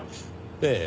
ええ。